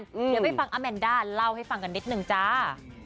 เดี๋ยวไปฟังอาแมนด้าเล่าให้ฟังกันนิดนึงจ้า